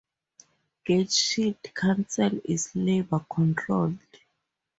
Gateshead Council is Labour controlled.